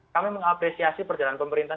kami mengapresiasi perjalanan pemerintah